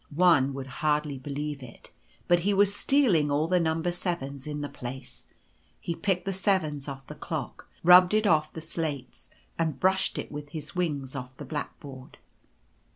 One would hardly believe it, but he was stealing all the Number Sevens in the place ; he picked the Seven off the clock, rubbed it off the slates, and brushed it with his wings off the blackboard.